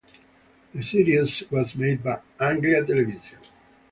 The series was made by Anglia Television.